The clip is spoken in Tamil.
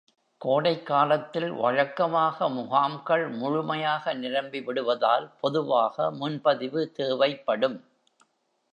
கோடைக்காலத்தில் வழக்கமாக முகாம்கள் முழுமையாக நிரம்பிவிடுவதால் பொதுவாக முன்பதிவு தேவைப்படும்.